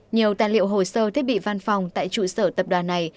nhiều tài liệu hồ sơ thiết bị văn phòng tại trụ sở tập đoàn này